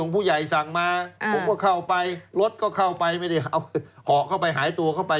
ผู้ใหญ่สั่งมาผมก็เข้าไปรถก็เข้าไปไม่ได้เอาเหาะเข้าไปหายตัวเข้าไป